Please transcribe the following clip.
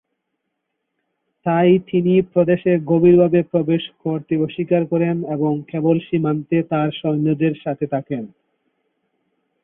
তাই তিনি প্রদেশে গভীরভাবে প্রবেশ করতে অস্বীকার করেন এবং কেবল সীমান্তে তার সৈন্যদের সাথে থাকেন।